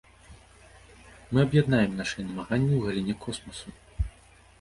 Мы аб'яднаем нашы намаганні ў галіне космасу.